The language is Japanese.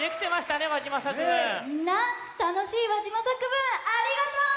たのしいわじま作文ありがとう！